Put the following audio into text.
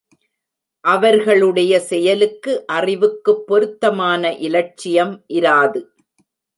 அவர்களுடைய செயலுக்கு அறிவுக்குப் பொருத்தமான இலட்சியம் இராது.